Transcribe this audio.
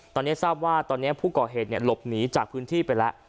ตอนนี้ทราบว่าตอนนี้ผู้ก่อเหตุหลบหนีจากพื้นที่ไปแล้ว